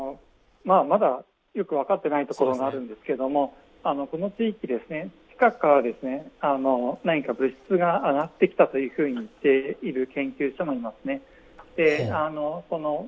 まだよく分かっていないところがあるんですけれども、この地域、近くから何か物質が上がってきたというふうに言っている研究者もいますね。